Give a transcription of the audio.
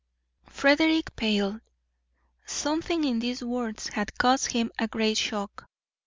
Frederick paled. Something in these words had caused him a great shock.